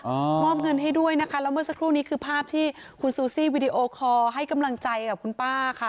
มอบเงินให้ด้วยนะคะแล้วเมื่อสักครู่นี้คือภาพที่คุณซูซี่วิดีโอคอร์ให้กำลังใจกับคุณป้าค่ะ